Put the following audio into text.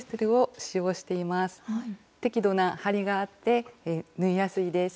適度な張りがあって縫いやすいです。